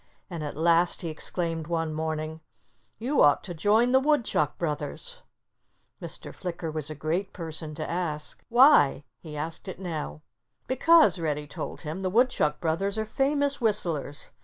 And at last he exclaimed one morning, "You ought to join the Woodchuck brothers!" Mr. Flicker was a great person to ask, "Why?" He asked it now. "Because," Reddy told him, "the Woodchuck brothers are famous whistlers.